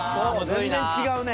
全然違うね。